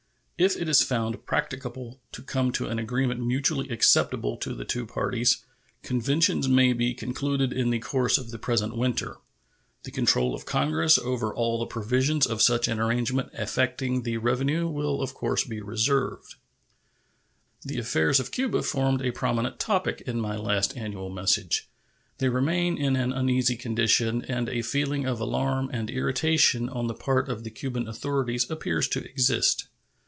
If it is found practicable to come to an agreement mutually acceptable to the two parties, conventions may be concluded in the course of the present winter. The control of Congress over all the provisions of such an arrangement affecting the revenue will of course be reserved. The affairs of Cuba formed a prominent topic in my last annual message. They remain in an uneasy condition, and a feeling of alarm and irritation on the part of the Cuban authorities appears to exist.